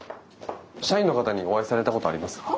社員の方にお会いされたことはありますか？